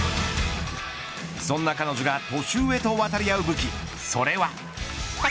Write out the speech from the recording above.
そんな彼女が年上と渡り合う武器それは。